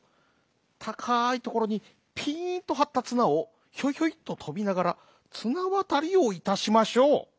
たかいところにピンとはったつなをひょいひょいっととびながらつなわたりをいたしましょう」。